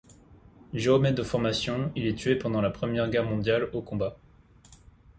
Géomètre de formation, il est tué durant la Première Guerre mondiale au combat.